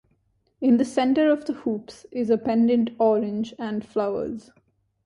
In the center of the hoops is a pendant orange and flowers.